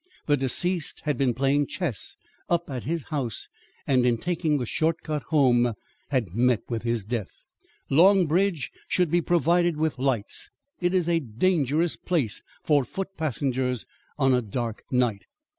The deceased had been playing chess up at his house, and in taking the short cut home had met with his death. "Long Bridge should be provided with lights. It is a dangerous place for foot passengers on a dark night."